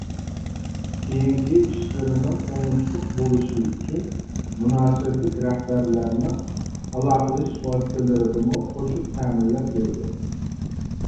كېيىنكى ئىشلىرىنىڭ ئوڭۇشلۇق بولۇشى ئۈچۈن مۇناسىۋەتلىك رەھبەرلەرنىڭ ئالاقىلىشىش ۋاسىتىلىرىدىمۇ قوشۇپ تەمىنلەپ بېرىدۇ.